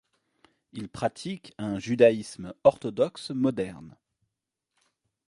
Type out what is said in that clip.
Ils pratiquent un judaïsme orthodoxe moderne.